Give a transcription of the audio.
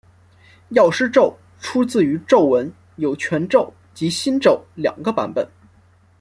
药师咒出自于咒文有全咒及心咒两个版本。